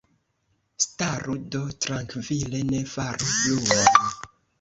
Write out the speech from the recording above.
Staru do trankvile, ne faru bruon!